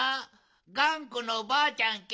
がんこのばあちゃんけ？